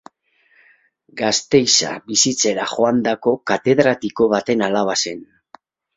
Gasteiza bizitzera joandako katedratiko baten alaba zen.